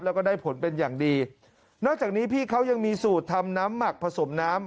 แล้วก็ได้ผลเป็นอย่างดีนอกจากนี้พี่เขายังมีสูตรทำน้ำหมักผสมน้ำ